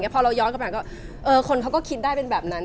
พอเราย้อนกลับไปก็คนเขาก็คิดได้เป็นแบบนั้น